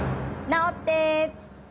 直って。